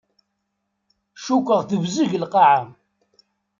Cukkeɣ tebzeg lqaɛa.